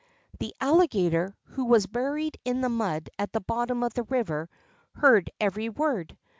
The Alligator, who was buried in the mud at the bottom of the river, heard every word.